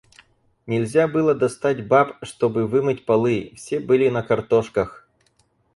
Нельзя было достать баб, чтобы вымыть полы, — все были на картошках.